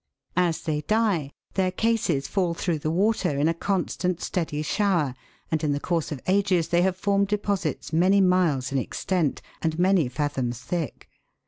As they die, their cases fall through the water, in a MICROSCOPIC PLANTS. 155 constant, steady shower, and in the course of ages they have formed deposits many miles in extent and many fathoms thick.